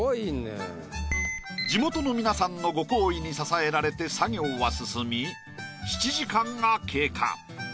地元の皆さんのご厚意に支えられて作業は進み７時間が経過。